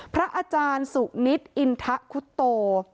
พระอาจารย์ซุกษิชอินทะพุทโต